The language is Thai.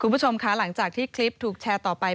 คุณผู้ชมคะหลังจากที่คลิปถูกแชร์ต่อไป